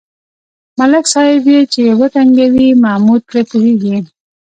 ملک صاحب یې چې و ټنگوي محمود پرې پوهېږي.